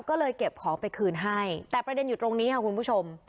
ก็เลยเก็บของไปคืนให้แต่ประเด็นอยู่ตรงนี้ค่ะคุณผู้ชม